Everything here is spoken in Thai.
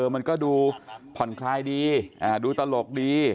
มันก็ดูผ่อนคลายดีดูตลกดี